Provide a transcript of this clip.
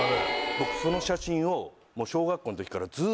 僕その写真を。